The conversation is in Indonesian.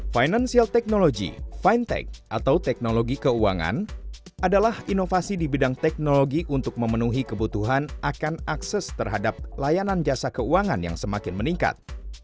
financial technology fintech atau teknologi keuangan adalah inovasi di bidang teknologi untuk memenuhi kebutuhan akan akses terhadap layanan jasa keuangan yang semakin meningkat